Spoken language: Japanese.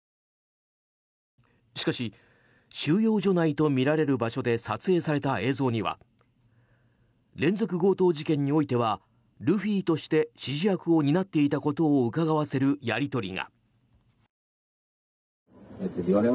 しかし、収容所内とみられる場所で撮影された映像には連続強盗事件においてはルフィとして指示役を担っていたことをうかがわせるやり取りが。